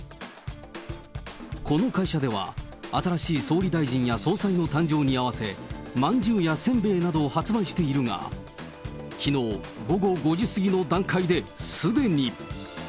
この会社では、新しい総理大臣や総裁の誕生に合わせ、まんじゅうやせんべいなどを発売しているが、きのう午後５時過ぎの段階ですでに。